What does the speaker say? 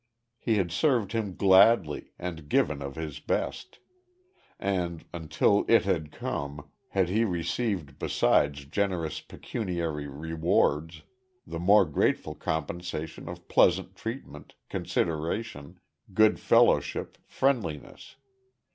He had served him gladly, and given of his best. And, until It had come, had he received besides generous pecuniary rewards, the more grateful compensation of pleasant treatment, consideration, good fellowship, friendliness.